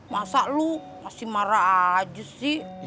masa lu masih marah aja sih